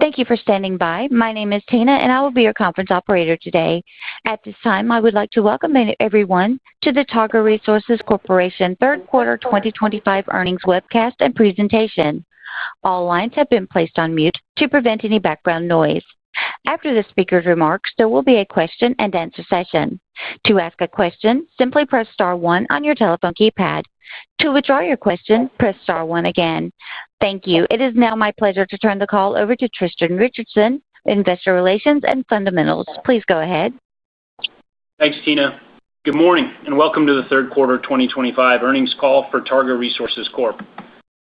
Thank you for standing by. My name is Tana, and I will be your conference operator today. At this time, I would like to welcome everyone to the Targa Resources Corporation third quarter 2025 earnings webcast and presentation. All lines have been placed on mute to prevent any background noise. After the speaker's remarks, there will be a question and answer session. To ask a question, simply press star one on your telephone keypad. To withdraw your question, press star one again. Thank you. It is now my pleasure to turn the call over to Tristan Richardson, Investor Relations and Fundamentals. Please go ahead. Thanks, Tana. Good morning and welcome to the third quarter 2025 earnings call for Targa Resources Corp.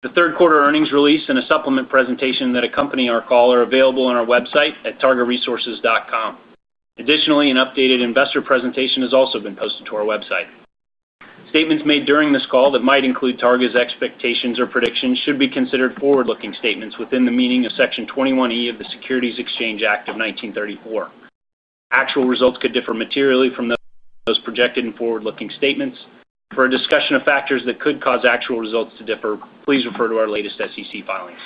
The third quarter earnings release and a supplement presentation that accompany our call are available on our website at targaresources.com. Additionally, an updated investor presentation has also been posted to our website. Statements made during this call that might include Targa's expectations or predictions should be considered forward-looking statements within the meaning of Section 21(e) of the Securities Exchange Act of 1934. Actual results could differ materially from those projected in forward-looking statements. For a discussion of factors that could cause actual results to differ, please refer to our latest SEC filings.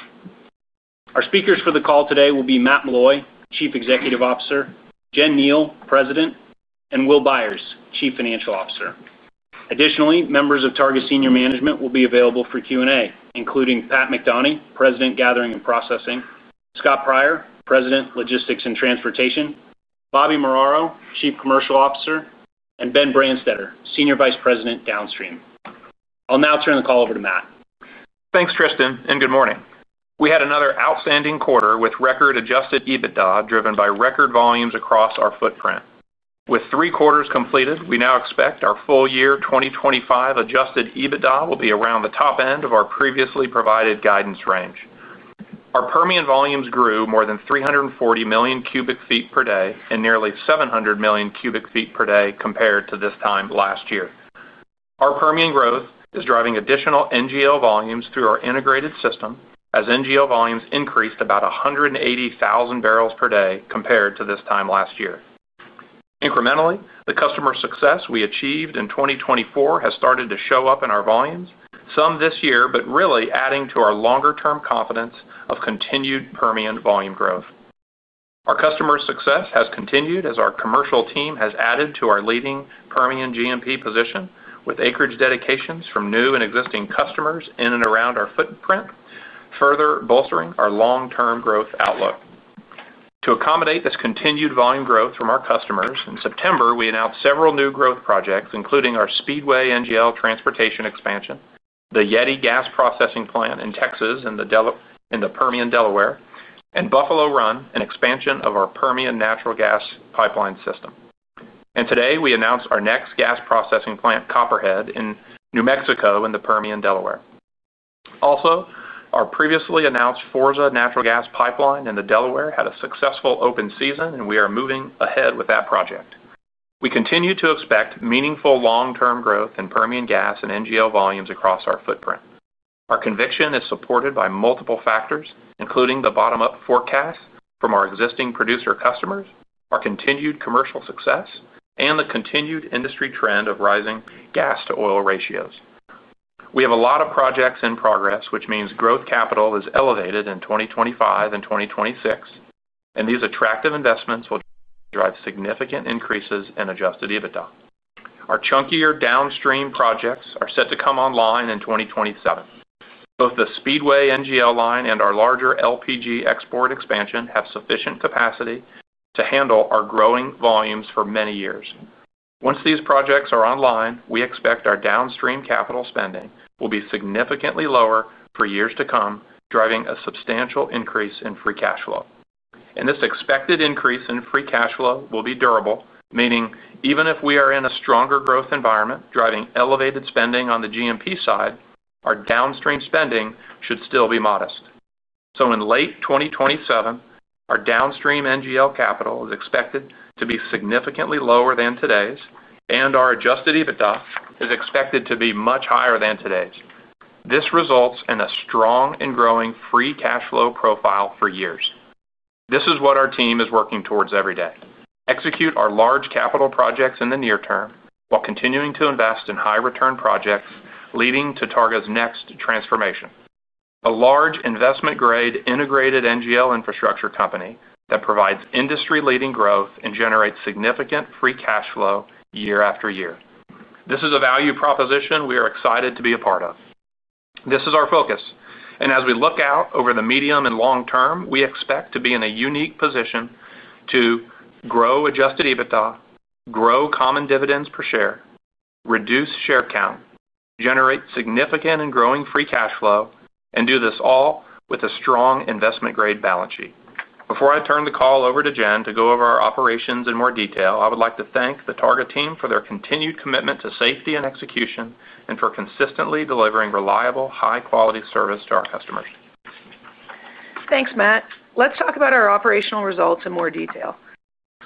Our speakers for the call today will be Matt Meloy, Chief Executive Officer; Jen Kneale, President; and Will Byers, Chief Financial Officer. Additionally, members of Targa senior management will be available for Q&A, including Pat McDonie, President, Gathering and Processing; Scott Pryor, President, Logistics and Transportation; Bobby Muraro, Chief Commercial Officer; and Ben Branstetter, Senior Vice President, Downstream. I'll now turn the call over to Matt. Thanks, Tristan, and good morning. We had another outstanding quarter with record adjusted EBITDA driven by record volumes across our footprint. With three quarters completed, we now expect our full year 2025 adjusted EBITDA will be around the top end of our previously provided guidance range. Our Permian volumes grew more than 340 million cu ft per day and nearly 700 million cu ft per day compared to this time last year. Our Permian growth is driving additional NGL volumes through our integrated system, as NGL volumes increased about 180,000 bbl per day compared to this time last year. Incrementally, the customer success we achieved in 2024 has started to show up in our volumes, some this year, but really adding to our longer-term confidence of continued Permian volume growth. Our customer success has continued as our commercial team has added to our leading Permian G&P position, with acreage dedications from new and existing customers in and around our footprint, further bolstering our long-term growth outlook. To accommodate this continued volume growth from our customers, in September we announced several new growth projects, including our Speedway NGL transportation expansion, the Yeti gas processing plant in Texas and the Permian, Delaware, and Buffalo Run and expansion of our Permian natural gas pipeline system. And today we announced our next gas processing plant, Copperhead, in New Mexico and the Permian, Delaware. Also, our previously announced Forza natural gas pipeline in the Delaware had a successful open season, and we are moving ahead with that project. We continue to expect meaningful long-term growth in Permian gas and NGL volumes across our footprint. Our conviction is supported by multiple factors, including the bottom-up forecast from our existing producer customers, our continued commercial success, and the continued industry trend of rising gas-to-oil ratios. We have a lot of projects in progress, which means growth capital is elevated in 2025 and 2026, and these attractive investments will drive significant increases in adjusted EBITDA. Our chunkier downstream projects are set to come online in 2027. Both the Speedway NGL line and our larger LPG export expansion have sufficient capacity to handle our growing volumes for many years. Once these projects are online, we expect our downstream capital spending will be significantly lower for years to come, driving a substantial increase in free cash flow. This expected increase in free cash flow will be durable, meaning even if we are in a stronger growth environment driving elevated spending on the G&P side, our downstream spending should still be modest. So in late 2027, our downstream NGL capital is expected to be significantly lower than today's, and our adjusted EBITDA is expected to be much higher than today's. This results in a strong and growing free cash flow profile for years. This is what our team is working towards every day: execute our large capital projects in the near term while continuing to invest in high-return projects leading to Targa's next transformation. A large investment-grade integrated NGL infrastructure company that provides industry-leading growth and generates significant free cash flow year after year. This is a value proposition we are excited to be a part of. This is our focus. And as we look out over the medium and long term, we expect to be in a unique position to. Grow adjusted EBITDA, grow common dividends per share, reduce share count, generate significant and growing free cash flow, and do this all with a strong investment-grade balance sheet. Before I turn the call over to Jen to go over our operations in more detail, I would like to thank the Targa team for their continued commitment to safety and execution and for consistently delivering reliable, high-quality service to our customers. Thanks, Matt. Let's talk about our operational results in more detail.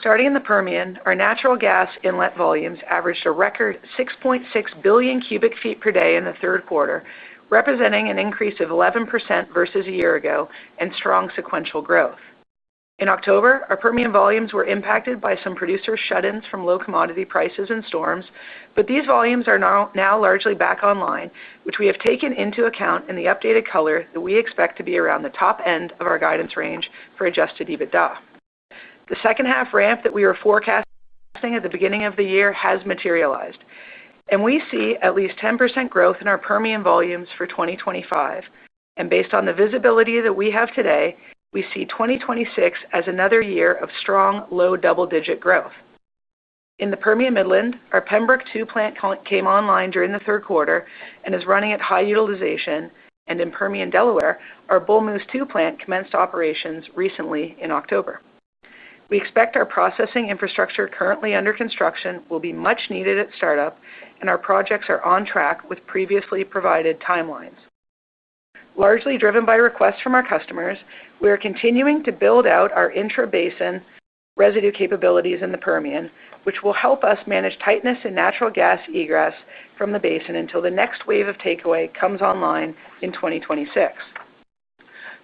Starting in the Permian, our natural gas inlet volumes averaged a record 6.6 billion cu ft per day in the third quarter, representing an increase of 11% versus a year ago and strong sequential growth. In October, our Permian volumes were impacted by some producer shut-ins from low commodity prices and storms, but these volumes are now largely back online, which we have taken into account in the updated color that we expect to be around the top end of our guidance range for adjusted EBITDA. The second-half ramp that we were forecasting at the beginning of the year has materialized, and we see at least 10% growth in our Permian volumes for 2025. Based on the visibility that we have today, we see 2026 as another year of strong low double-digit growth. In the Permian Midland, our Pembrook II plant came online during the third quarter and is running at high utilization, and in Permian, Delaware, our Bull Moose II plant commenced operations recently in October. We expect our processing infrastructure currently under construction will be much needed at startup, and our projects are on track with previously provided timelines. Largely driven by requests from our customers, we are continuing to build out our intra-basin residue capabilities in the Permian, which will help us manage tightness in natural gas egress from the basin until the next wave of takeaway comes online in 2026.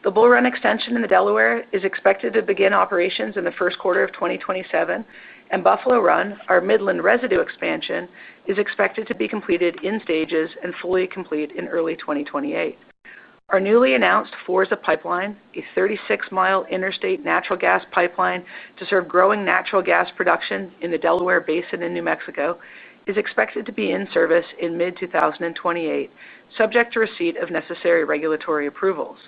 The Bull Run Extension in the Delaware is expected to begin operations in the first quarter of 2027, and Buffalo Run, our Midland residue expansion, is expected to be completed in stages and fully complete in early 2028. Our newly announced Forza Pipeline, a 36 mi interstate natural gas pipeline to serve growing natural gas production in the Delaware Basin in New Mexico, is expected to be in service in mid-2028, subject to receipt of necessary regulatory approvals.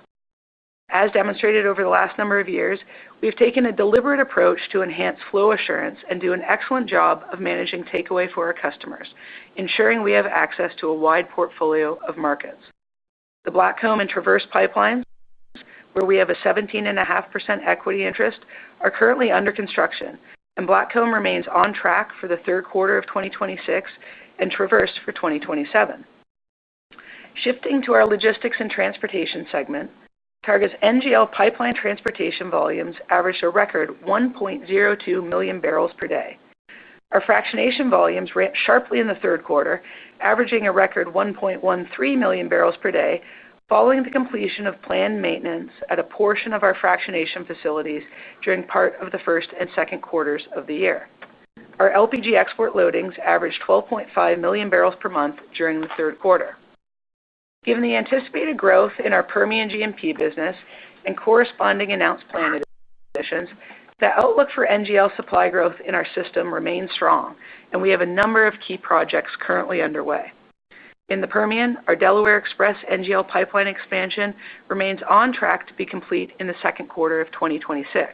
As demonstrated over the last number of years, we've taken a deliberate approach to enhance flow assurance and do an excellent job of managing takeaway for our customers, ensuring we have access to a wide portfolio of markets. The Blackcomb and Traverse Pipelines, where we have a 17.5% equity interest, are currently under construction, and Blackcomb remains on track for the third quarter of 2026 and Traverse for 2027. Shifting to our logistics and transportation segment, Targa's NGL pipeline transportation volumes averaged a record 1.02 million bbl per day. Our fractionation volumes ramped sharply in the third quarter, averaging a record 1.13 million bbl per day following the completion of planned maintenance at a portion of our fractionation facilities during part of the first and second quarters of the year. Our LPG export loadings averaged 12.5 million bbl per month during the third quarter. Given the anticipated growth in our Permian G&P business and corresponding announced planned additions, the outlook for NGL supply growth in our system remains strong, and we have a number of key projects currently underway. In the Permian, our Delaware Express NGL pipeline expansion remains on track to be complete in the second quarter of 2026.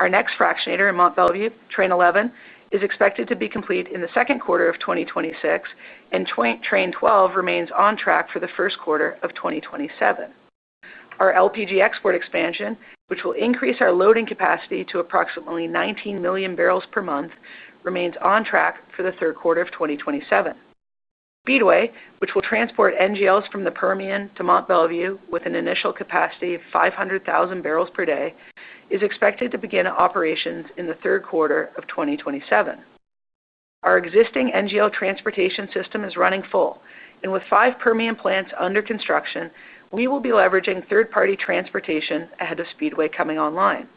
Our next fractionator in Mont Belvieu, Train 11, is expected to be complete in the second quarter of 2026, and Train 12 remains on track for the first quarter of 2027. Our LPG export expansion, which will increase our loading capacity to approximately 19 million bbl per month, remains on track for the third quarter of 2027. Speedway, which will transport NGLs from the Permian to Mont Belvieu with an initial capacity of 500,000 bbl per day, is expected to begin operations in the third quarter of 2027. Our existing NGL transportation system is running full, and with five Permian plants under construction, we will be leveraging third-party transportation ahead of Speedway coming online.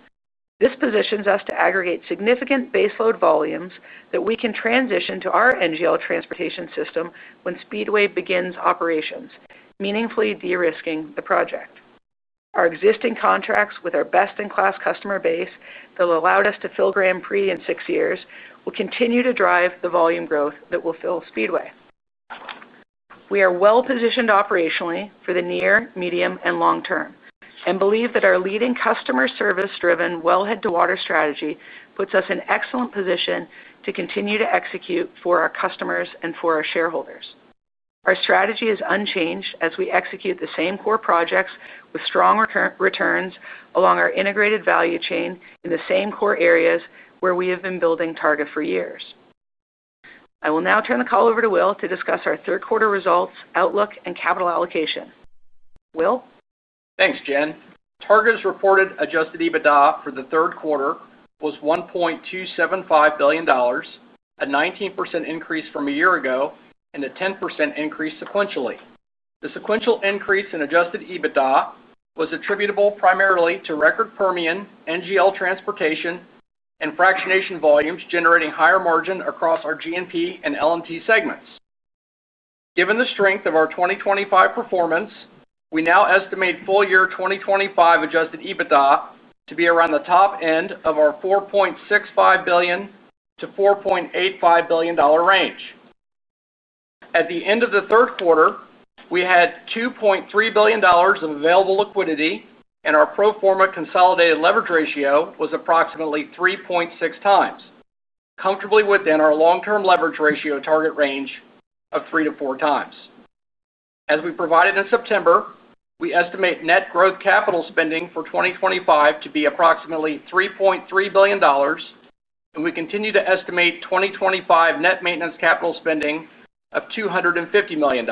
This positions us to aggregate significant baseload volumes that we can transition to our NGL transportation system when Speedway begins operations, meaningfully de-risking the project. Our existing contracts with our best-in-class customer base that allowed us to fill Grand Prix in six years will continue to drive the volume growth that will fill Speedway. We are well-positioned operationally for the near, medium, and long term and believe that our leading customer service-driven, well-headed to water strategy puts us in excellent position to continue to execute for our customers and for our shareholders. Our strategy is unchanged as we execute the same core projects with strong returns along our integrated value chain in the same core areas where we have been building Targa for years. I will now turn the call over to Will to discuss our third-quarter results, outlook, and capital allocation. Will? Thanks, Jen. Targa's reported adjusted EBITDA for the third quarter was $1.275 billion, a 19% increase from a year ago and a 10% increase sequentially. The sequential increase in adjusted EBITDA was attributable primarily to record Permian NGL transportation and fractionation volumes generating higher margin across our G&P and L&T segments. Given the strength of our 2025 performance, we now estimate full year 2025 adjusted EBITDA to be around the top end of our $4.65 billion- $4.85 billion range. At the end of the third quarter, we had $2.3 billion of available liquidity, and our pro forma consolidated leverage ratio was approximately 3.6x, comfortably within our long-term leverage ratio target range of 3x-4x. As we provided in September, we estimate net growth capital spending for 2025 to be approximately $3.3 billion. And we continue to estimate 2025 net maintenance capital spending of $250 million.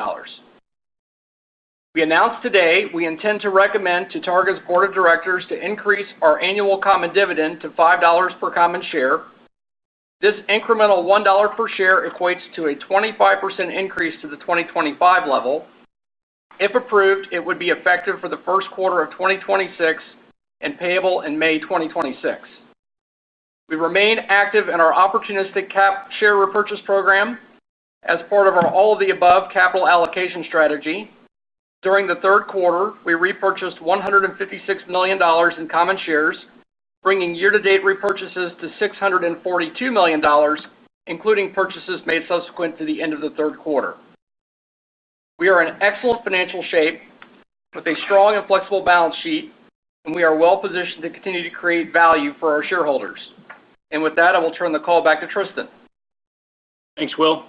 We announced today we intend to recommend to Targa's board of directors to increase our annual common dividend to $5 per common share. This incremental $1 per share equates to a 25% increase to the 2025 level. If approved, it would be effective for the first quarter of 2026 and payable in May 2026. We remain active in our opportunistic cap share repurchase program. As part of our all-of-the-above capital allocation strategy. During the third quarter, we repurchased $156 million in common shares, bringing year-to-date repurchases to $642 million, including purchases made subsequent to the end of the third quarter. We are in excellent financial shape with a strong and flexible balance sheet, and we are well-positioned to continue to create value for our shareholders. And with that, I will turn the call back to Tristan. Thanks, Will.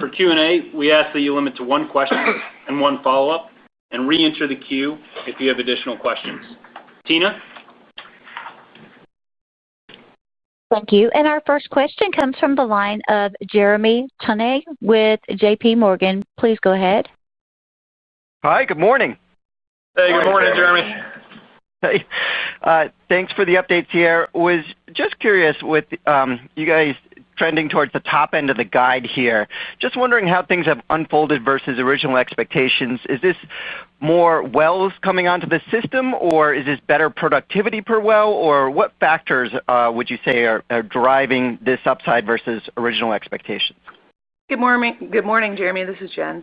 For Q&A, we ask that you limit to one question and one follow-up and re-enter the queue if you have additional questions. Tina? Thank you. And our first question comes from the line of Jeremy Tonet with JPMorgan. Please go ahead. Hi. Good morning. Hey. Good morning, Jeremy. Hey. Thanks for the updates here. Was just curious with you guys trending towards the top end of the guide here. Just wondering how things have unfolded versus original expectations. Is this more wells coming onto the system, or is this better productivity per well, or what factors would you say are driving this upside versus original expectations? Good morning, Jeremy. This is Jen.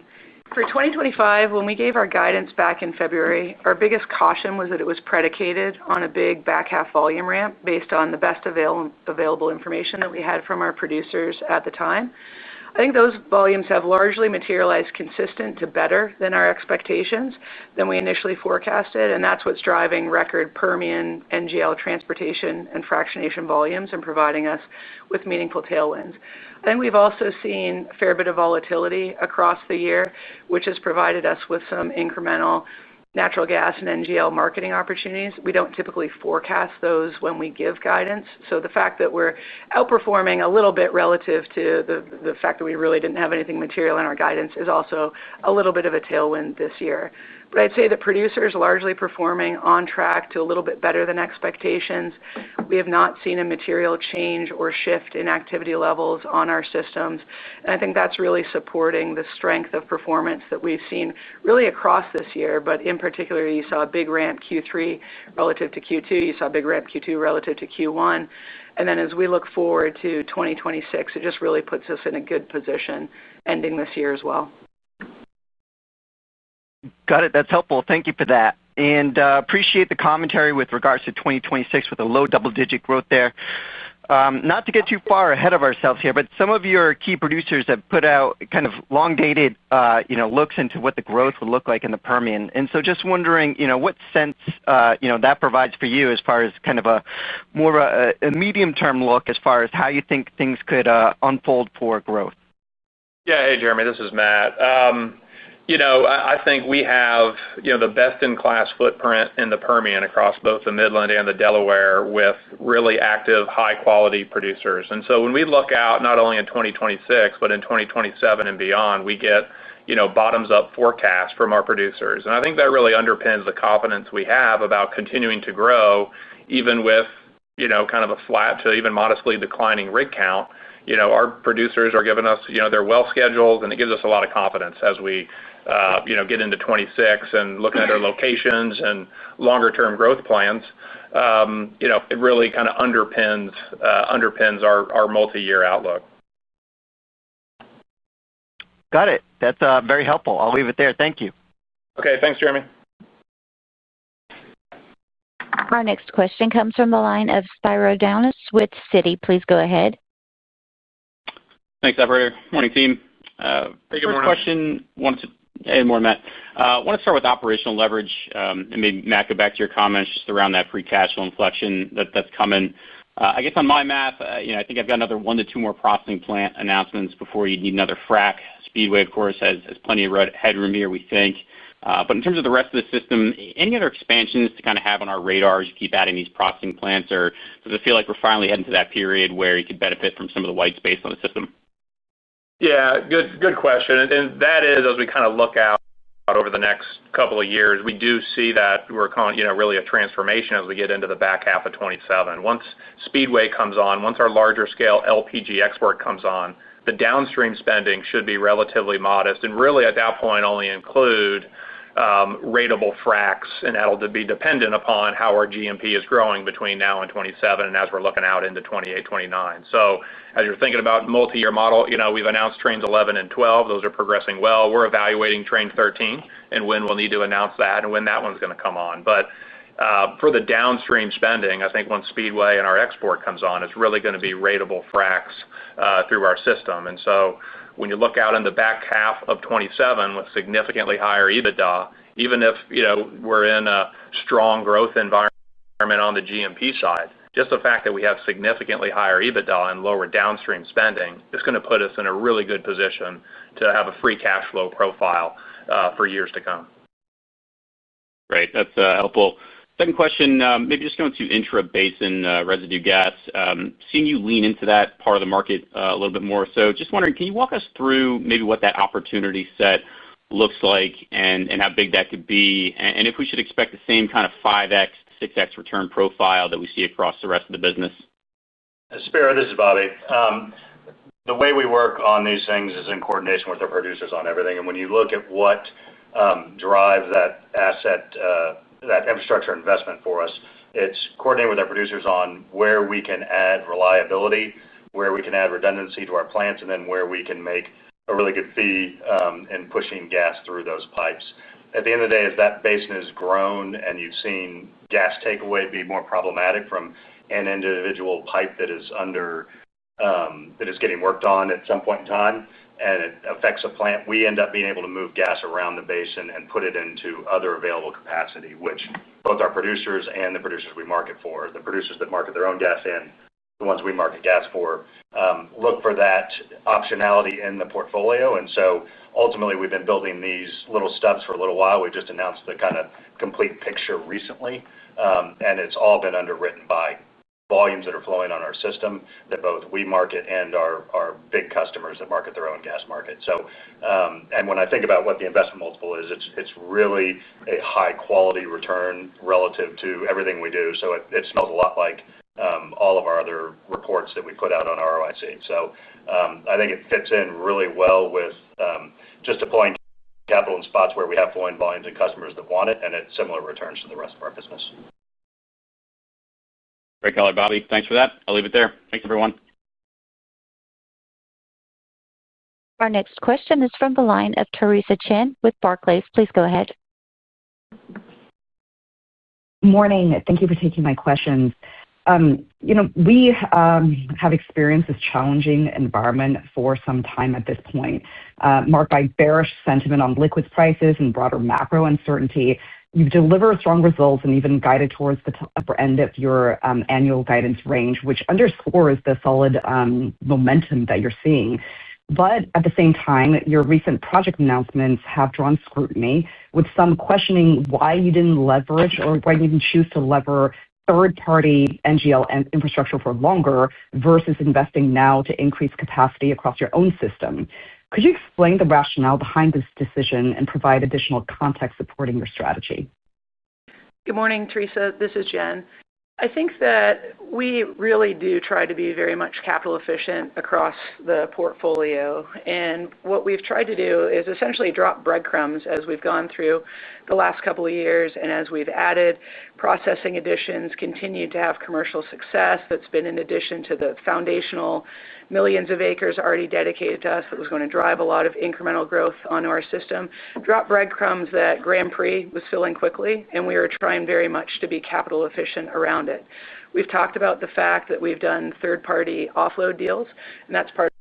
For 2025, when we gave our guidance back in February, our biggest caution was that it was predicated on a big back-half volume ramp based on the best available information that we had from our producers at the time. I think those volumes have largely materialized consistent to better than our expectations than we initially forecasted, and that's what's driving record Permian NGL transportation and fractionation volumes and providing us with meaningful tailwinds. I think we've also seen a fair bit of volatility across the year, which has provided us with some incremental natural gas and NGL marketing opportunities. We don't typically forecast those when we give guidance. So the fact that we're outperforming a little bit relative to the fact that we really didn't have anything material in our guidance is also a little bit of a tailwind this year. But I'd say that producers are largely performing on track to a little bit better than expectations. We have not seen a material change or shift in activity levels on our systems. And I think that's really supporting the strength of performance that we've seen really across this year. But in particular, you saw a big ramp Q3 relative to Q2. You saw a big ramp Q2 relative to Q1. And then as we look forward to 2026, it just really puts us in a good position ending this year as well. Got it. That's helpful. Thank you for that. And appreciate the commentary with regards to 2026 with a low double-digit growth there. Not to get too far ahead of ourselves here, but some of your key producers have put out kind of long-dated looks into what the growth would look like in the Permian. And so just wondering what sense that provides for you as far as kind of a more of a medium-term look as far as how you think things could unfold for growth. Yeah. Hey, Jeremy. This is Matt. I think we have the best-in-class footprint in the Permian across both the Midland and the Delaware with really active, high-quality producers. And so when we look out not only in 2026, but in 2027 and beyond, we get bottoms-up forecasts from our producers. And I think that really underpins the confidence we have about continuing to grow even with kind of a flat to even modestly declining rig count. Our producers are giving us their well schedules, and it gives us a lot of confidence as we get into 2026 and looking at our locations and longer-term growth plans. It really kind of underpins our multi-year outlook. Got it. That's very helpful. I'll leave it there. Thank you. Okay. Thanks, Jeremy. Our next question comes from the line of Spiro Dounis with Citi. Please go ahead. Thanks, everyone. Morning, team. Hey, good morning. Question wanted to—hey, morning, Matt. Wanted to start with operational leverage and maybe back to your comments just around that pre-cash flow inflection that's coming. I guess on my math, I think I've got another one to two more processing plant announcements before you need another frac. Speedway, of course, has plenty of headroom here, we think. But in terms of the rest of the system, any other expansions to kind of have on our radar as you keep adding these processing plants, or does it feel like we're finally heading to that period where you could benefit from some of the white space on the system? Yeah. Good question. And that is, as we kind of look out over the next couple of years, we do see that we're calling really a transformation as we get into the back half of 2027. Once Speedway comes on, once our larger-scale LPG export comes on, the downstream spending should be relatively modest. And really, at that point, only include. Rateable fracs and that'll be dependent upon how our G&P is growing between now and 2027 and as we're looking out into 2028, 2029. So as you're thinking about multi-year model, we've announced Trains 11 and 12. Those are progressing well. We're evaluating Train 13 and when we'll need to announce that and when that one's going to come on. But for the downstream spending, I think once Speedway and our export comes on, it's really going to be rateable fracs through our system. And so when you look out in the back half of 2027 with significantly higher EBITDA, even if we're in a strong growth environment on the G&P side, just the fact that we have significantly higher EBITDA and lower downstream spending, it's going to put us in a really good position to have a free cash flow profile for years to come. Great. That's helpful. Second question, maybe just going to intro basin residue gas. Seeing you lean into that part of the market a little bit more. So just wondering, can you walk us through maybe what that opportunity set looks like and how big that could be? And if we should expect the same kind of 5x, 6x return profile that we see across the rest of the business? Spiro, this is Bobby. The way we work on these things is in coordination with our producers on everything. And when you look at what. Drives that asset, that infrastructure investment for us, it's coordinating with our producers on where we can add reliability, where we can add redundancy to our plants, and then where we can make a really good fee in pushing gas through those pipes. At the end of the day, as that basin has grown and you've seen gas takeaway be more problematic from an individual pipe that is under. That is getting worked on at some point in time and it affects a plant, we end up being able to move gas around the basin and put it into other available capacity, which both our producers and the producers we market for, the producers that market their own gas and the ones we market gas for, look for that optionality in the portfolio. And so ultimately, we've been building these little steps for a little while. We just announced the kind of complete picture recently, and it's all been underwritten by volumes that are flowing on our system that both we market and our big customers that market their own gas market. And when I think about what the investment multiple is, it's really a high-quality return relative to everything we do. So it smells a lot like all of our other reports that we put out on ROIC. So I think it fits in really well with. Just deploying capital in spots where we have flowing volumes and customers that want it, and it's similar returns to the rest of our business. Great call, Bobby. Thanks for that. I'll leave it there. Thanks, everyone. Our next question is from the line of Theresa Chen with Barclays. Please go ahead. Morning. Thank you for taking my questions. We. Have experienced this challenging environment for some time at this point, marked by bearish sentiment on liquid prices and broader macro uncertainty. You've delivered strong results and even guided towards the upper end of your annual guidance range, which underscores the solid momentum that you're seeing. But at the same time, your recent project announcements have drawn scrutiny, with some questioning why you didn't leverage or why you didn't choose to leverage third-party NGL infrastructure for longer versus investing now to increase capacity across your own system. Could you explain the rationale behind this decision and provide additional context supporting your strategy? Good morning, Theresa. This is Jen. I think that we really do try to be very much capital-efficient across the portfolio. And what we've tried to do is essentially drop breadcrumbs as we've gone through the last couple of years. And as we've added processing additions, continued to have commercial success that's been in addition to the foundational millions of acres already dedicated to us that was going to drive a lot of incremental growth on our system, drop breadcrumbs that Grand Prix was filling quickly, and we are trying very much to be capital-efficient around it. We've talked about the fact that we've done third-party offload deals, and that's part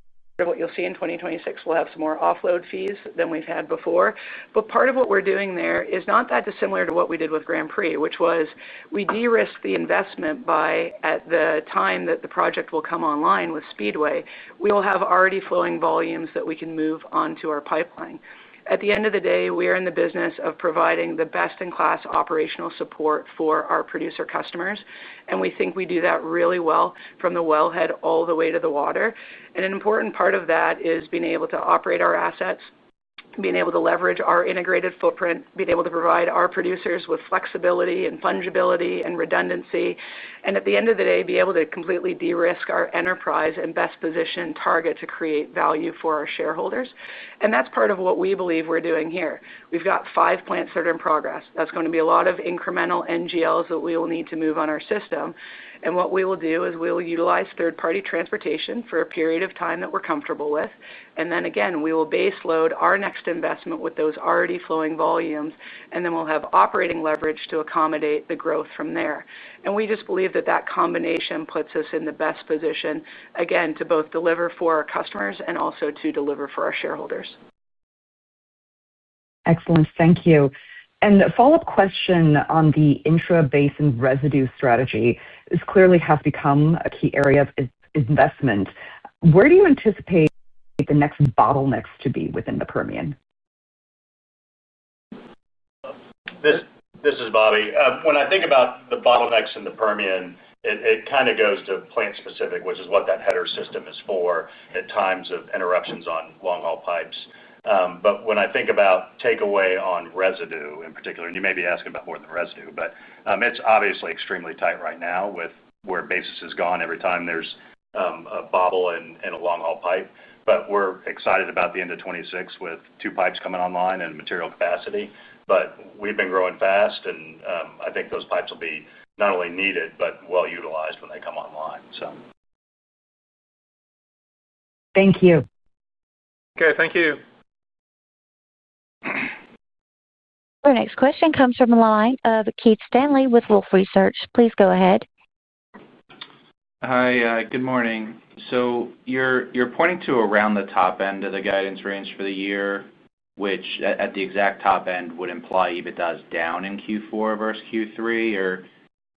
of what you'll see in 2026. We'll have some more offload fees than we've had before. But part of what we're doing there is not that dissimilar to what we did with Grand Prix, which was we de-risk the investment by. At the time that the project will come online with Speedway, we will have already flowing volumes that we can move onto our pipeline. At the end of the day, we are in the business of providing the best-in-class operational support for our producer customers. And we think we do that really well. From the wellhead all the way to the water. And an important part of that is being able to operate our assets, being able to leverage our integrated footprint, being able to provide our producers with flexibility and fungibility and redundancy, and at the end of the day, be able to completely de-risk our enterprise and best-position target to create value for our shareholders. And that's part of what we believe we're doing here. We've got five plants that are in progress. That's going to be a lot of incremental NGLs that we will need to move on our system. And what we will do is we will utilize third-party transportation for a period of time that we're comfortable with. And then again, we will base load our next investment with those already flowing volumes, and then we'll have operating leverage to accommodate the growth from there. And we just believe that that combination puts us in the best position, again, to both deliver for our customers and also to deliver for our shareholders. Excellent. Thank you. And follow-up question on the intro basin residue strategy clearly has become a key area of investment. Where do you anticipate the next bottlenecks to be within the Permian? This is Bobby. When I think about the bottlenecks in the Permian, it kind of goes to plant-specific, which is what that header system is for at times of interruptions on long-haul pipes. But when I think about takeaway on residue in particular, and you may be asking about more than residue, but it's obviously extremely tight right now with where basis has gone every time there's a bobble in a long-haul pipe. But we're excited about the end of 2026 with two pipes coming online and material capacity. But we've been growing fast, and I think those pipes will be not only needed but well utilized when they come online, so. Thank you. Okay. Thank you. Our next question comes from the line of Keith Stanley with Wolfe Research. Please go ahead. Hi. Good morning. So you're pointing to around the top end of the guidance range for the year, which at the exact top end would imply EBITDA is down in Q4 versus Q3. Are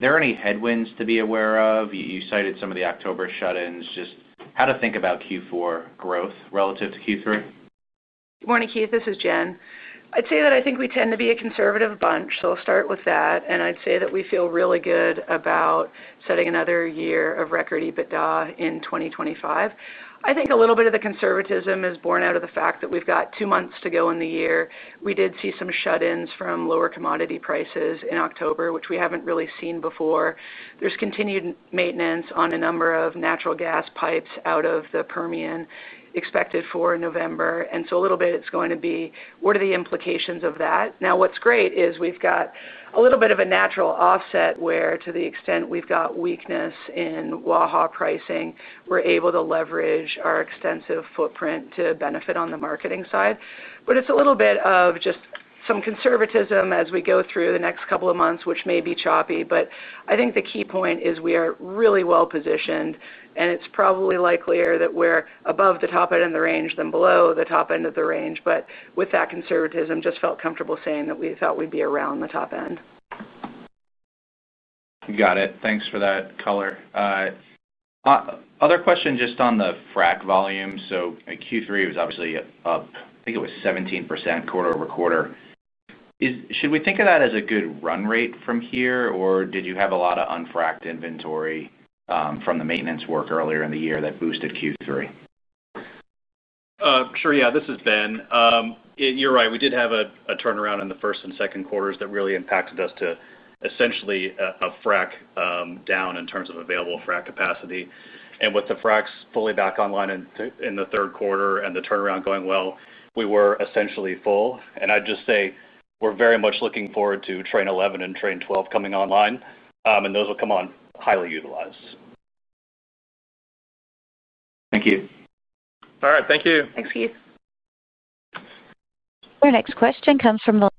there any headwinds to be aware of? You cited some of the October shut-ins. Just how to think about Q4 growth relative to Q3? Morning, Keith. This is Jen. I'd say that I think we tend to be a conservative bunch. So I'll start with that. And I'd say that we feel really good about setting another year of record EBITDA in 2025. I think a little bit of the conservatism is born out of the fact that we've got two months to go in the year. We did see some shut-ins from lower commodity prices in October, which we haven't really seen before. There's continued maintenance on a number of natural gas pipes out of the Permian expected for November. And so a little bit it's going to be, what are the implications of that? Now, what's great is we've got a little bit of a natural offset where, to the extent we've got weakness in Waha pricing, we're able to leverage our extensive footprint to benefit on the marketing side. But it's a little bit of just some conservatism as we go through the next couple of months, which may be choppy. But I think the key point is we are really well positioned, and it's probably likelier that we're above the top end of the range than below the top end of the range. But with that conservatism, just felt comfortable saying that we thought we'd be around the top end. Got it. Thanks for that color. Other question just on the frac volume. So Q3 was obviously up, I think it was 17% quarter-over-quarter. Should we think of that as a good run rate from here, or did you have a lot of unfrac'd inventory from the maintenance work earlier in the year that boosted Q3? Sure. Yeah. This is Ben. You're right. We did have a turnaround in the first and second quarters that really impacted us to essentially a frac down in terms of available frac capacity. And with the fracs fully back online in the third quarter and the turnaround going well, we were essentially full. And I'd just say we're very much looking forward to Train 11 and Train 12 coming online, and those will come on highly utilized. Thank you. All right. Thank you. Thanks, Keith. Our next question comes from the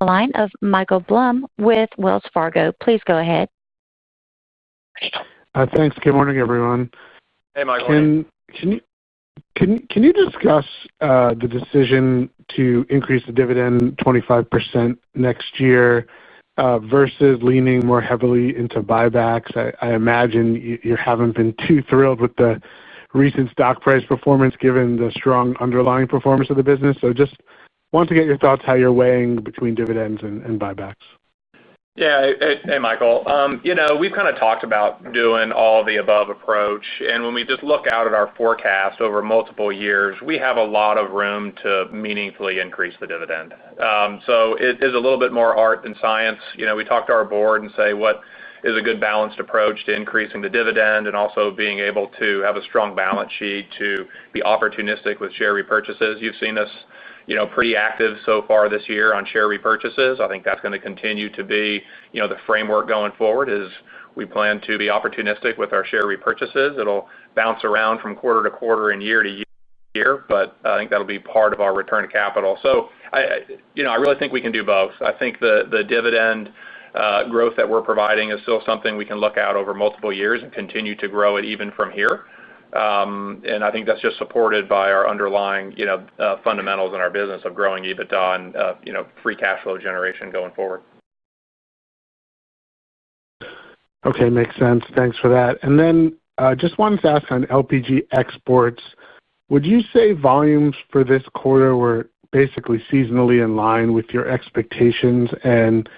line of Michael Blum with Wells Fargo. Please go ahead. Thanks. Good morning, everyone. Hey, Michael. Can you discuss the decision to increase the dividend 25% next year. Versus leaning more heavily into buybacks? I imagine you haven't been too thrilled with the recent stock price performance given the strong underlying performance of the business. So just want to get your thoughts how you're weighing between dividends and buybacks. Yeah. Hey, Michael. We've kind of talked about doing all the above approach. And when we just look out at our forecast over multiple years, we have a lot of room to meaningfully increase the dividend. So it is a little bit more art than science. We talk to our board and say what is a good balanced approach to increasing the dividend and also being able to have a strong balance sheet to be opportunistic with share repurchases. You've seen us pretty active so far this year on share repurchases. I think that's going to continue to be the framework going forward is we plan to be opportunistic with our share repurchases. It'll bounce around from quarter to quarter and year to year, but I think that'll be part of our return to capital. So I really think we can do both. I think the dividend growth that we're providing is still something we can look at over multiple years and continue to grow it even from here. And I think that's just supported by our underlying fundamentals in our business of growing EBITDA and free cash flow generation going forward. Okay. Makes sense. Thanks for that. And then just wanted to ask on LPG exports, would you say volumes for this quarter were basically seasonally in line with your expectations? And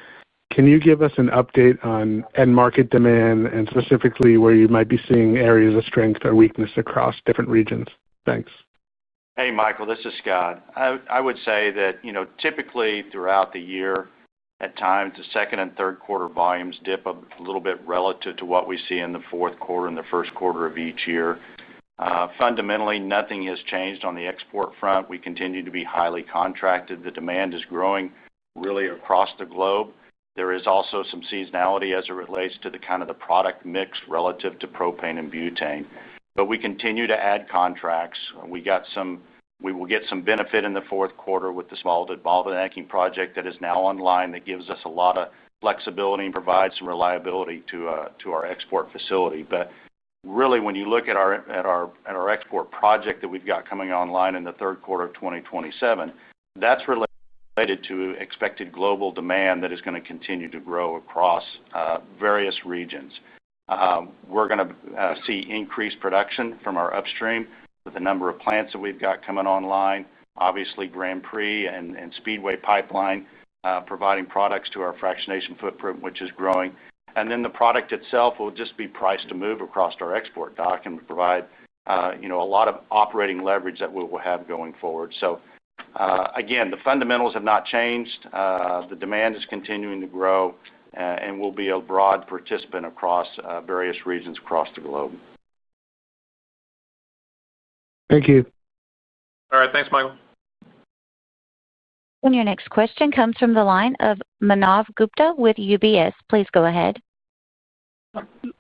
can you give us an update on end market demand and specifically where you might be seeing areas of strength or weakness across different regions? Thanks. Hey, Michael. This is Scott. I would say that typically throughout the year, at times, the second and third quarter volumes dip a little bit relative to what we see in the fourth quarter and the first quarter of each year. Fundamentally, nothing has changed on the export front. We continue to be highly contracted. The demand is growing really across the globe. There is also some seasonality as it relates to the kind of the product mix relative to propane and butane. But we continue to add contracts. We will get some benefit in the fourth quarter with the small bottlenecking project that is now online that gives us a lot of flexibility and provides some reliability to our export facility. But really, when you look at our export project that we've got coming online in the third quarter of 2027, that's related to expected global demand that is going to continue to grow across various regions. We're going to see increased production from our upstream with the number of plants that we've got coming online, obviously Grand Prix and Speedway Pipeline providing products to our fractionation footprint, which is growing. And then the product itself will just be priced to move across our export dock and provide a lot of operating leverage that we will have going forward. So again, the fundamentals have not changed. The demand is continuing to grow, and we'll be a broad participant across various regions across the globe. Thank you. All right. Thanks, Michael. And your next question comes from the line of Manav Gupta with UBS. Please go ahead.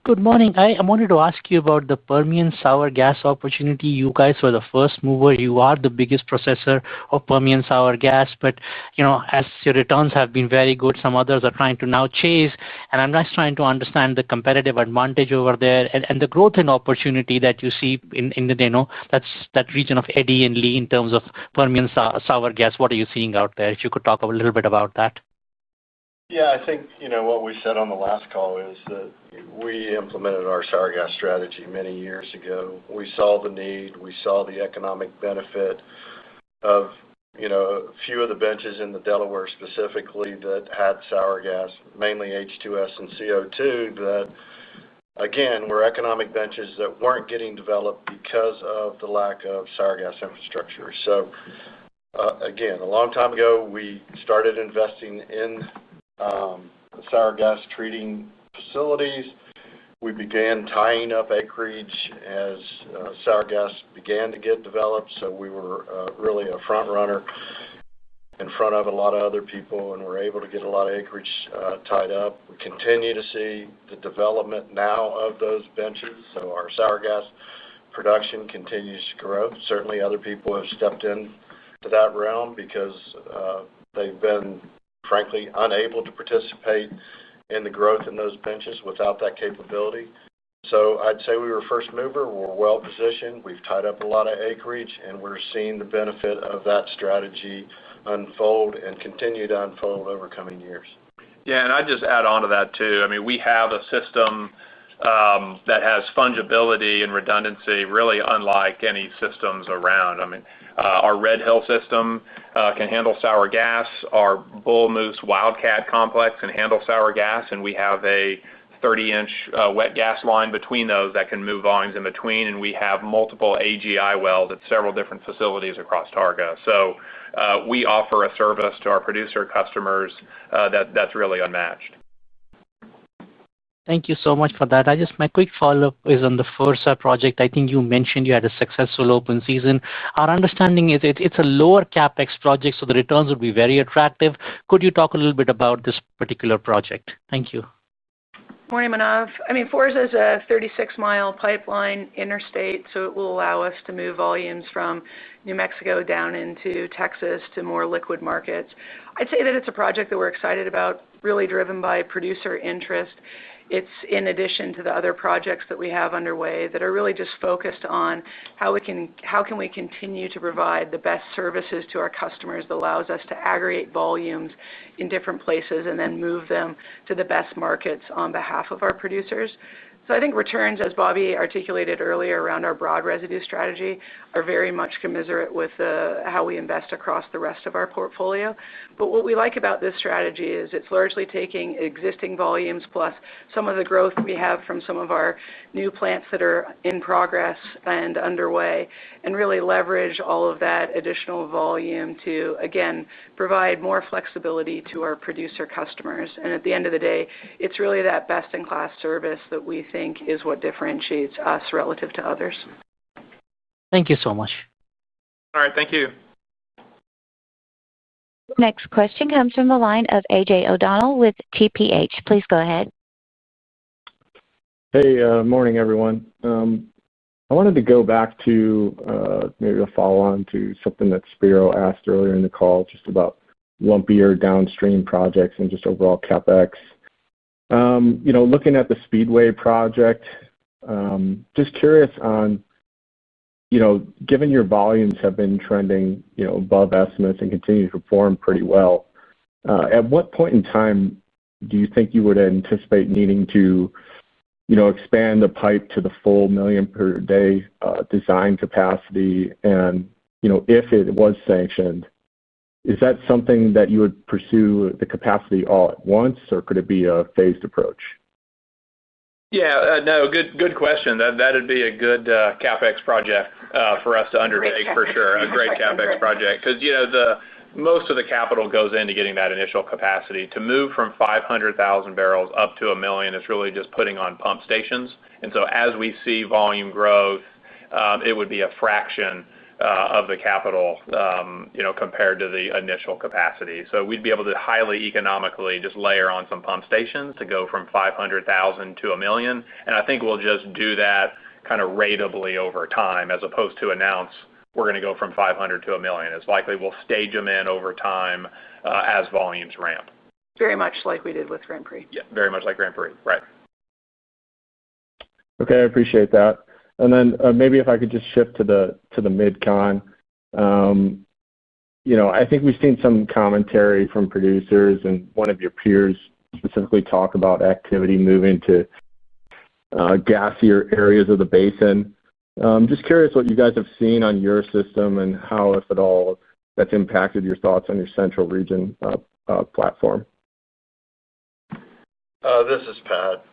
Good morning. I wanted to ask you about the Permian sour gas opportunity. You guys were the first movers. You are the biggest processor of Permian sour gas. But as your returns have been very good, some others are trying to now chase. And I'm just trying to understand the competitive advantage over there and the growth in opportunity that you see in that region of Eddy and Lee in terms of Permian sour gas. What are you seeing out there? If you could talk a little bit about that. Yeah. I think what we said on the last call is that we implemented our sour gas strategy many years ago. We saw the need. We saw the economic benefit of a few of the benches in the Delaware specifically that had sour gas, mainly H2S and CO2, that. Again, were economic benches that weren't getting developed because of the lack of sour gas infrastructure. So again, a long time ago, we started investing in. Sour gas treating facilities. We began tying up acreage as sour gas began to get developed. So we were really a front-runner. In front of a lot of other people and were able to get a lot of acreage tied up. We continue to see the development now of those benches. So our sour gas production continues to grow. Certainly, other people have stepped into that realm because. They've been, frankly, unable to participate in the growth in those benches without that capability. So I'd say we were first mover. We're well positioned. We've tied up a lot of acreage, and we're seeing the benefit of that strategy unfold and continue to unfold over coming years. Yeah. And I'd just add on to that too. I mean, we have a system. That has fungibility and redundancy, really unlike any systems around. I mean, our Red Hill system can handle sour gas. Our Bull Moose Wildcat complex can handle sour gas. And we have a 30 in wet gas line between those that can move volumes in between. And we have multiple AGI wells at several different facilities across Targa. So we offer a service to our producer customers that's really unmatched. Thank you so much for that. My quick follow-up is on the Forza project. I think you mentioned you had a successful open season. Our understanding is it's a lower CapEx project, so the returns would be very attractive. Could you talk a little bit about this particular project? Thank you. Morning, Manav. I mean, Forza is a 36 mi pipeline interstate, so it will allow us to move volumes from New Mexico down into Texas to more liquid markets. I'd say that it's a project that we're excited about, really driven by producer interest. It's in addition to the other projects that we have underway that are really just focused on how can we continue to provide the best services to our customers that allows us to aggregate volumes in different places and then move them to the best markets on behalf of our producers. So I think returns, as Bobby articulated earlier around our broad residue strategy, are very much commiserate with how we invest across the rest of our portfolio. But what we like about this strategy is it's largely taking existing volumes plus some of the growth we have from some of our new plants that are in progress and underway and really leverage all of that additional volume to, again, provide more flexibility to our producer customers. And at the end of the day, it's really that best-in-class service that we think is what differentiates us relative to others. Thank you so much. All right. Thank you. Next question comes from the line of A.J. O'Donnell with TPH. Please go ahead. Hey. Morning, everyone. I wanted to go back to. Maybe a follow-on to something that Spiro asked earlier in the call just about lumpier downstream projects and just overall CapEx. Looking at the Speedway project, just curious on. Given your volumes have been trending above estimates and continue to perform pretty well. At what point in time do you think you would anticipate needing to. Expand the pipe to the full million per day design capacity? And if it was sanctioned, is that something that you would pursue the capacity all at once, or could it be a phased approach? Yeah. No. Good question. That'd be a good CapEx project for us to undertake, for sure. A great CapEx project. Because most of the capital goes into getting that initial capacity. To move from 500,000 bbl-1 million bbl is really just putting on pump stations. And so as we see volume growth, it would be a fraction of the capital. Compared to the initial capacity. So we'd be able to highly economically just layer on some pump stations to go from 500,000 bbl-1 million bbl And I think we'll just do that kind of ratably over time as opposed to announce, "We're going to go from 500,000 bbl-1 million bbl." It's likely we'll stage them in over time as volumes ramp. Very much like we did with Grand Prix. Yeah. Very much like Grand Prix. Right. Okay. I appreciate that. And then maybe if I could just shift to the Midcon. I think we've seen some commentary from producers and one of your peers specifically talk about activity moving to. Gassier areas of the basin. I'm just curious what you guys have seen on your system and how, if at all, that's impacted your thoughts on your central region. Platform. This is Pat.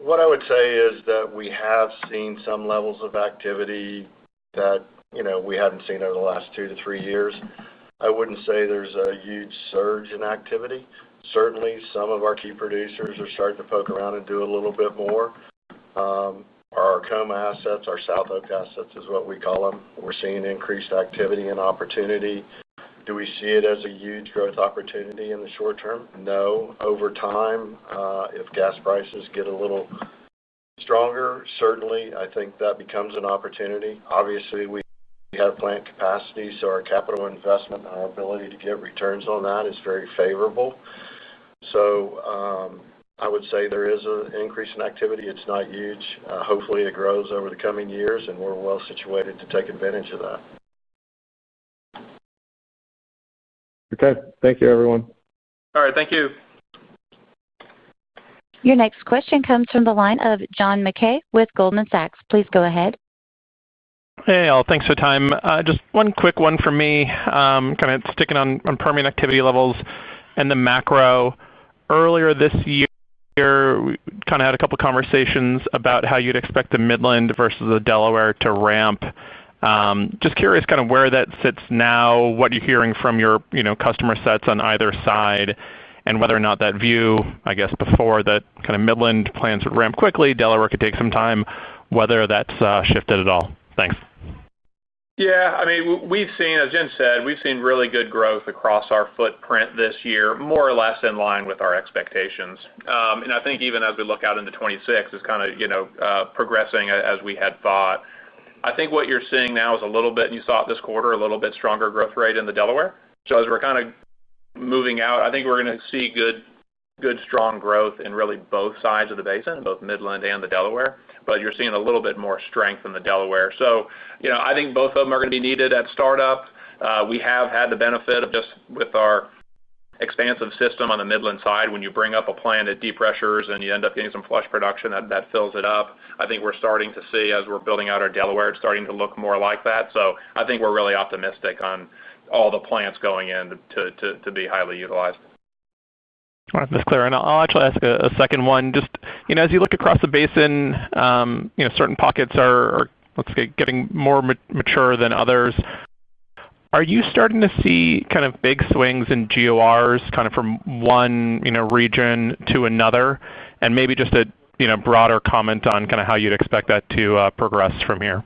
What I would say is that we have seen some levels of activity that we haven't seen over the last two to three years. I wouldn't say there's a huge surge in activity. Certainly, some of our key producers are starting to poke around and do a little bit more. Our Arcoma assets, our South Oak assets is what we call them, we're seeing increased activity and opportunity. Do we see it as a huge growth opportunity in the short term? No. Over time, if gas prices get a little. Stronger, certainly, I think that becomes an opportunity. Obviously, we have plant capacity, so our capital investment and our ability to get returns on that is very favorable. So. I would say there is an increase in activity. It's not huge. Hopefully, it grows over the coming years, and we're well situated to take advantage of that. Okay. Thank you, everyone. All right. Thank you. Your next question comes from the line of John Mackay with Goldman Sachs. Please go ahead. Hey, all. Thanks for the time. Just one quick one for me, kind of sticking on Permian activity levels and the macro. Earlier this year, we kind of had a couple of conversations about how you'd expect the Midland versus the Delaware to ramp. Just curious kind of where that sits now, what you're hearing from your customer sets on either side, and whether or not that view, I guess, before that kind of Midland plans would ramp quickly, Delaware could take some time, whether that's shifted at all. Thanks. Yeah. I mean, as Jen said, we've seen really good growth across our footprint this year, more or less in line with our expectations. And I think even as we look out into 2026, it's kind of progressing as we had thought. I think what you're seeing now is a little bit—and you saw it this quarter—a little bit stronger growth rate in the Delaware. So as we're kind of moving out, I think we're going to see good, strong growth in really both sides of the basin, both Midland and the Delaware. But you're seeing a little bit more strength in the Delaware. So I think both of them are going to be needed at startup. We have had the benefit of just with our expansive system on the Midland side, when you bring up a plant at deep pressures and you end up getting some flush production, that fills it up. I think we're starting to see, as we're building out our Delaware, it's starting to look more like that. So I think we're really optimistic on all the plants going in to be highly utilized. All right. That's clear. And I'll actually ask a second one. Just as you look across the basin. Certain pockets are getting more mature than others. Are you starting to see kind of big swings in GORs kind of from one region to another? And maybe just a broader comment on kind of how you'd expect that to progress from here.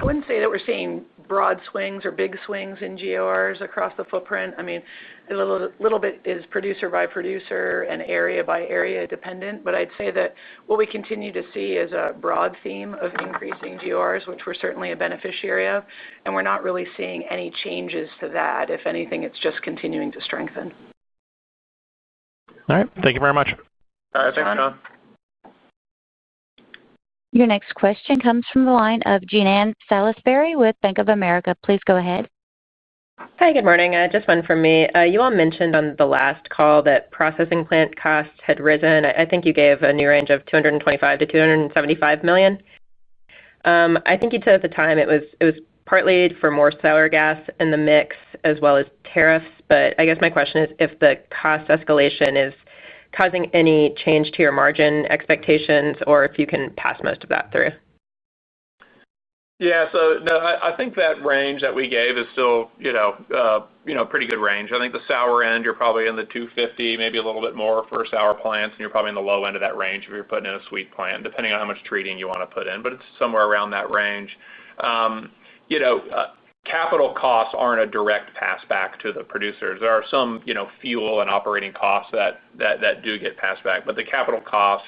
I wouldn't say that we're seeing broad swings or big swings in GORs across the footprint. I mean, a little bit is producer by producer and area by area dependent. But I'd say that what we continue to see is a broad theme of increasing GORs, which we're certainly a beneficiary of. And we're not really seeing any changes to that. If anything, it's just continuing to strengthen. All right. Thank you very much. All right. Thanks, John. Your next question comes from the line of Jean Ann Salisbury with Bank of America. Please go ahead. Hi. Good morning. Just one from me. You all mentioned on the last call that processing plant costs had risen. I think you gave a new range of 225 million-275 million. I think you said at the time it was partly for more sour gas in the mix as well as tariffs. But I guess my question is if the cost escalation is causing any change to your margin expectations or if you can pass most of that through. Yeah. So no, I think that range that we gave is still. A pretty good range. I think the sour end, you're probably in the 250 million, maybe a little bit more for sour plants. And you're probably in the low end of that range if you're putting in a sweet plant, depending on how much treating you want to put in. But it's somewhere around that range. Capital costs aren't a direct passback to the producers. There are some fuel and operating costs that do get passed back. But the capital costs.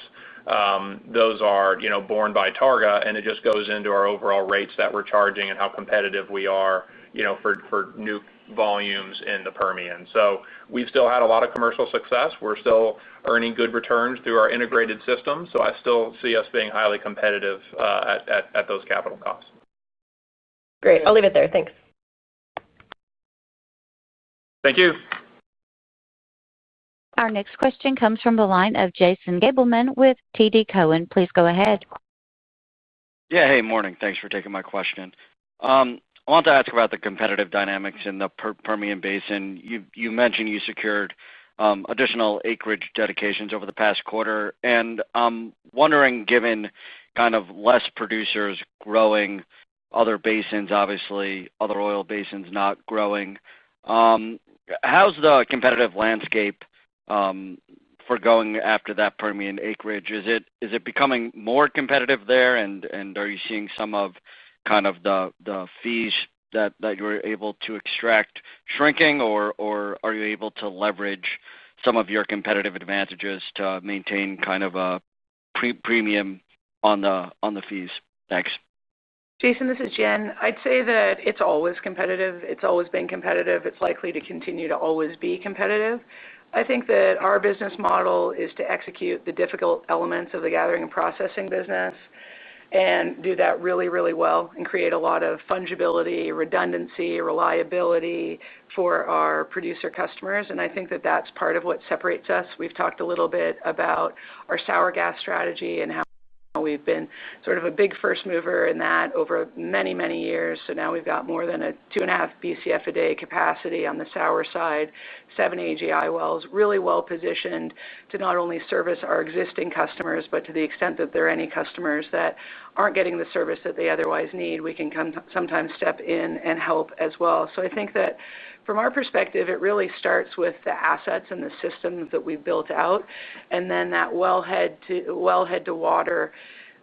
Those are borne by Targa. And it just goes into our overall rates that we're charging and how competitive we are for new volumes in the Permian. So we've still had a lot of commercial success. We're still earning good returns through our integrated system. So I still see us being highly competitive at those capital costs. Great. I'll leave it there. Thanks. Thank you. Our next question comes from the line of Jason Gabelman with TD Cowen. Please go ahead. Yeah. Hey. Morning. Thanks for taking my question. I wanted to ask about the competitive dynamics in the Permian basin. You mentioned you secured additional acreage dedications over the past quarter. And I'm wondering, given kind of less producers growing other basins, obviously, other oil basins not growing. How's the competitive landscape. For going after that Permian acreage? Is it becoming more competitive there? And are you seeing some of kind of the fees that you're able to extract shrinking, or are you able to leverage some of your competitive advantages to maintain kind of a premium on the fees? Thanks. Jason, this is Jen. I'd say that it's always competitive. It's always been competitive. It's likely to continue to always be competitive. I think that our business model is to execute the difficult elements of the gathering and processing business. And do that really, really well and create a lot of fungibility, redundancy, reliability for our producer customers. And I think that that's part of what separates us. We've talked a little bit about our sour gas strategy and how we've been sort of a big first mover in that over many, many years. So now we've got more than a two and a half BCF a day capacity on the sour side, seven AGI wells, really well positioned to not only service our existing customers, but to the extent that there are any customers that aren't getting the service that they otherwise need, we can sometimes step in and help as well. So I think that from our perspective, it really starts with the assets and the systems that we've built out, and then that well-head. To water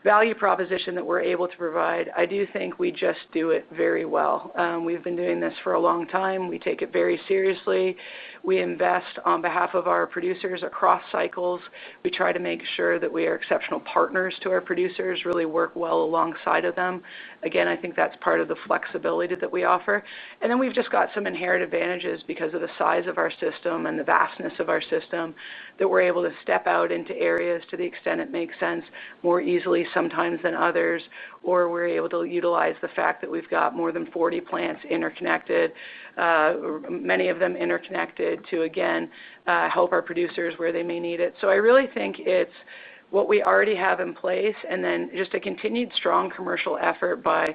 value proposition that we're able to provide. I do think we just do it very well. We've been doing this for a long time. We take it very seriously. We invest on behalf of our producers across cycles. We try to make sure that we are exceptional partners to our producers, really work well alongside of them. Again, I think that's part of the flexibility that we offer. And then we've just got some inherent advantages because of the size of our system and the vastness of our system that we're able to step out into areas to the extent it makes sense more easily sometimes than others, or we're able to utilize the fact that we've got more than 40 plants interconnected. Many of them interconnected to, again, help our producers where they may need it. So I really think it's what we already have in place and then just a continued strong commercial effort by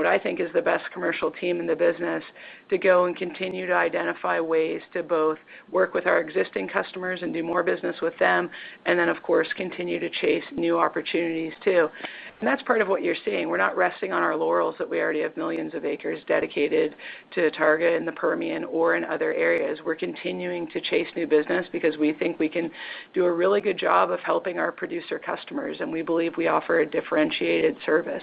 what I think is the best commercial team in the business to go and continue to identify ways to both work with our existing customers and do more business with them, and then, of course, continue to chase new opportunities too. And that's part of what you're seeing. We're not resting on our laurels that we already have millions of acres dedicated to Target and the Permian or in other areas. We're continuing to chase new business because we think we can do a really good job of helping our producer customers. And we believe we offer a differentiated service.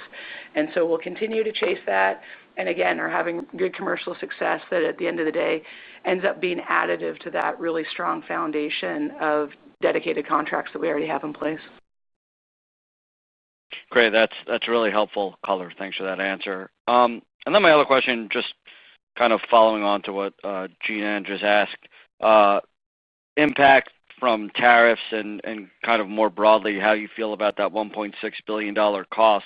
And so we'll continue to chase that and, again, are having good commercial success that, at the end of the day, ends up being additive to that really strong foundation of dedicated contracts that we already have in place. Great. That's really helpful, color. Thanks for that answer. And then my other question, just kind of following on to what Jean Ann just asked. Impact from tariffs and kind of more broadly, how you feel about that $1.6 billion cost.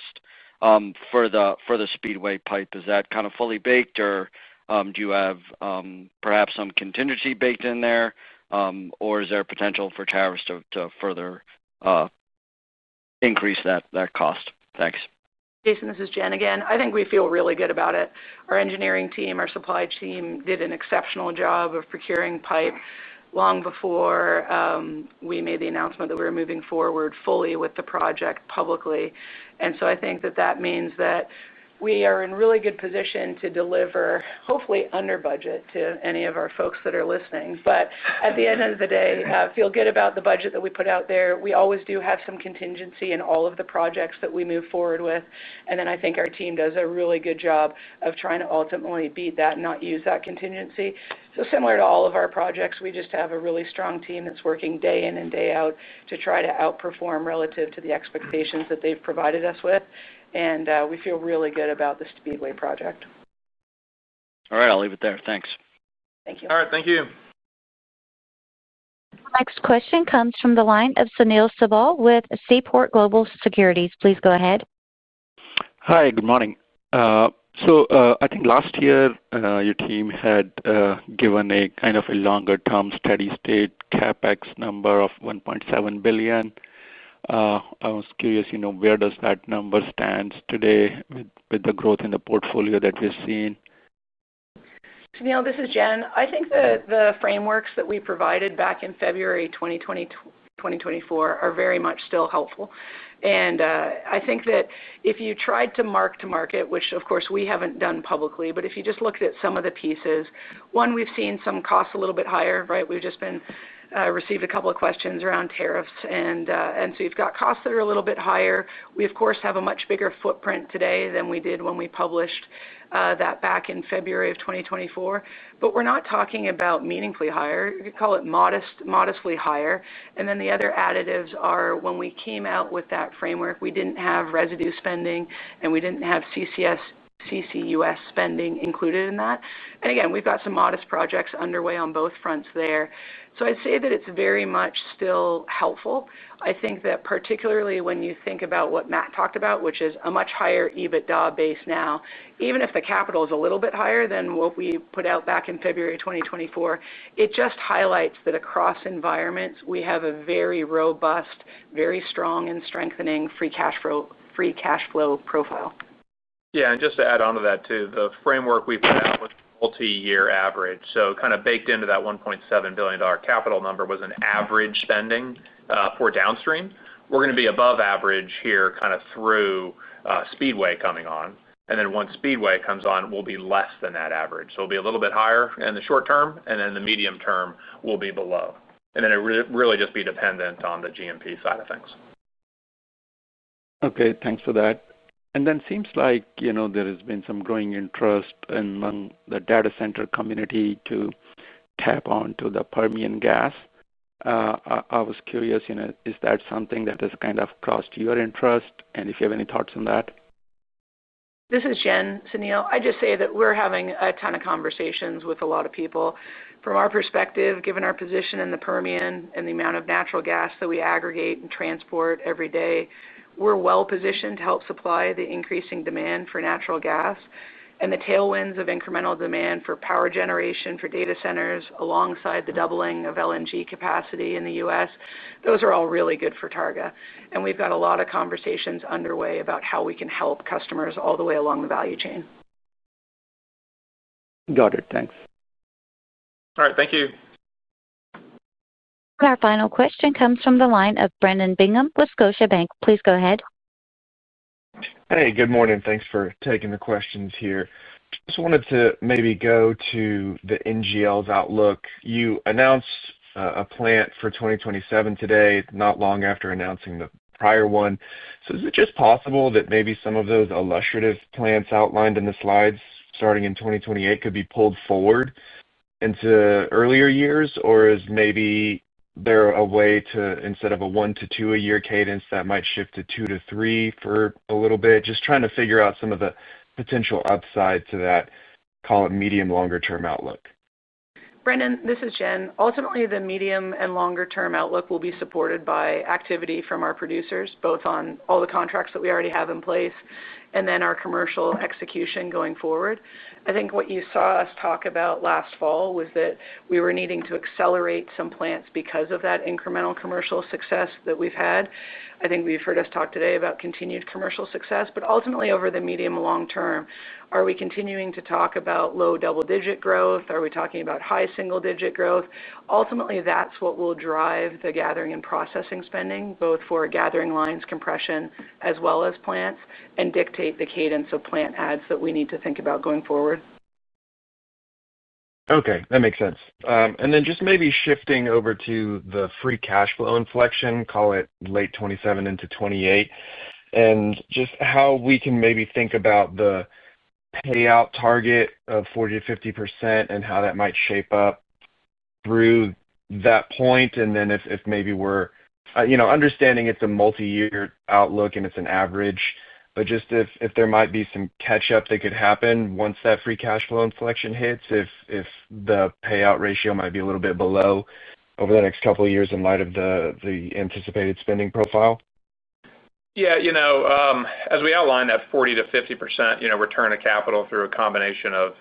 For the Speedway Pipe? Is that kind of fully baked, or do you have perhaps some contingency baked in there, or is there a potential for tariffs to further. Increase that cost? Thanks. Jason, this is Jen again. I think we feel really good about it. Our engineering team, our supply team did an exceptional job of procuring pipe long before. We made the announcement that we were moving forward fully with the project publicly. And so I think that that means that we are in really good position to deliver, hopefully under budget, to any of our folks that are listening. But at the end of the day, feel good about the budget that we put out there. We always do have some contingency in all of the projects that we move forward with. And then I think our team does a really good job of trying to ultimately beat that and not use that contingency. So similar to all of our projects, we just have a really strong team that's working day in and day out to try to outperform relative to the expectations that they've provided us with. And we feel really good about the Speedway project. All right. I'll leave it there. Thanks. Thank you. All right. Thank you. Next question comes from the line of Sunil Sibal with Seaport Global Securities. Please go ahead. Hi. Good morning. So I think last year your team had given a kind of a longer-term steady state CapEx number of $1.7 billion. I was curious, where does that number stand today with the growth in the portfolio that we've seen? Sunil, this is Jen. I think that the frameworks that we provided back in February 2024 are very much still helpful. And I think that if you tried to mark to market, which, of course, we haven't done publicly, but if you just looked at some of the pieces, one, we've seen some costs a little bit higher, right? We've just received a couple of questions around tariffs. And so you've got costs that are a little bit higher. We, of course, have a much bigger footprint today than we did when we published. That back in February of 2024. But we're not talking about meaningfully higher. You could call it modestly higher. And then the other additives are when we came out with that framework, we didn't have residue spending, and we didn't have CCUS spending included in that. And again, we've got some modest projects underway on both fronts there. So I'd say that it's very much still helpful. I think that particularly when you think about what Matt talked about, which is a much higher EBITDA base now, even if the capital is a little bit higher than what we put out back in February 2024, it just highlights that across environments, we have a very robust, very strong, and strengthening free cash flow profile. Yeah. And just to add on to that too, the framework we put out was multi-year average. So kind of baked into that $1.7 billion capital number was an average spending for downstream. We're going to be above average here kind of through. Speedway coming on. And then once Speedway comes on, we'll be less than that average. So it'll be a little bit higher in the short term, and then the medium term will be below. And then it'll really just be dependent on the G&P side of things. Okay. Thanks for that. And then it seems like there has been some growing interest among the data center community to. Tap onto the Permian gas. I was curious, is that something that has kind of crossed your interest? And if you have any thoughts on that? This is Jen, Sunil. I just say that we're having a ton of conversations with a lot of people. From our perspective, given our position in the Permian and the amount of natural gas that we aggregate and transport every day, we're well positioned to help supply the increasing demand for natural gas. And the tailwinds of incremental demand for power generation for data centers alongside the doubling of LNG capacity in the US, those are all really good for Targa. And we've got a lot of conversations underway about how we can help customers all the way along the value chain. Got it. Thanks. All right. Thank you. Our final question comes from the line of Brandon Bingham with Scotiabank. Please go ahead. Hey. Good morning. Thanks for taking the questions here. Just wanted to maybe go to the NGL's outlook. You announced a plant for 2027 today, not long after announcing the prior one. So is it just possible that maybe some of those illustrative plants outlined in the slides starting in 2028 could be pulled forward. Into earlier years, or is maybe there a way to, instead of a one to two a year cadence, that might shift to two to three for a little bit? Just trying to figure out some of the potential upside to that, call it medium, longer-term outlook. Brandon, this is Jen. Ultimately, the medium and longer-term outlook will be supported by activity from our producers, both on all the contracts that we already have in place and then our commercial execution going forward. I think what you saw us talk about last fall was that we were needing to accelerate some plants because of that incremental commercial success that we've had. I think we've heard us talk today about continued commercial success. But ultimately, over the medium and long term, are we continuing to talk about low double-digit growth? Are we talking about high single-digit growth? Ultimately, that's what will drive the gathering and processing spending, both for gathering lines, compression, as well as plants, and dictate the cadence of plant adds that we need to think about going forward. Okay. That makes sense. And then just maybe shifting over to the free cash flow inflection, call it late 2027 into 2028, and just how we can maybe think about the. Payout target of 40%-50% and how that might shape up. Through that point. And then if maybe we're understanding it's a multi-year outlook and it's an average, but just if there might be some catch-up that could happen once that free cash flow inflection hits, if the payout ratio might be a little bit below over the next couple of years in light of the anticipated spending profile. Yeah. As we outlined that 40%-50% return to capital through a combination of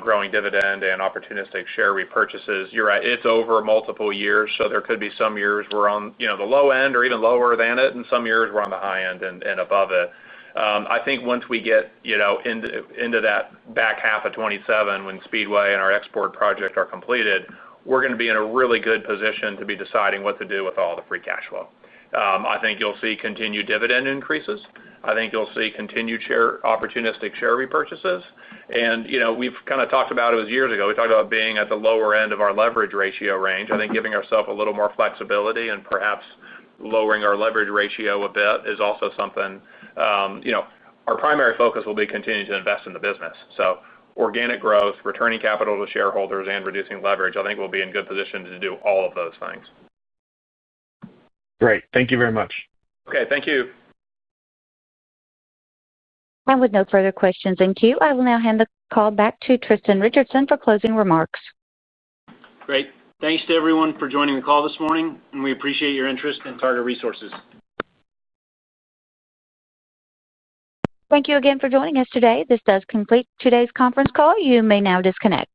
growing dividend and opportunistic share repurchases, you're right. It's over multiple years. So there could be some years we're on the low end or even lower than it, and some years we're on the high end and above it. I think once we get. Into that back half of 2027 when Speedway and our export project are completed, we're going to be in a really good position to be deciding what to do with all the free cash flow. I think you'll see continued dividend increases. I think you'll see continued opportunistic share repurchases. And we've kind of talked about it years ago. We talked about being at the lower end of our leverage ratio range. I think giving ourselves a little more flexibility and perhaps lowering our leverage ratio a bit is also something. Our primary focus will be continuing to invest in the business. So organic growth, returning capital to shareholders, and reducing leverage, I think we'll be in good position to do all of those things. Great. Thank you very much. Okay. Thank you. And with no further questions in queue, I will now hand the call back to Tristan Richardson for closing remarks. Great. Thanks to everyone for joining the call this morning, and we appreciate your interest in Target Resources. Thank you again for joining us today. This does complete today's conference call. You may now disconnect.